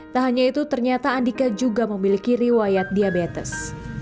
tak hanya itu ternyata andika juga memiliki riwayat diabetes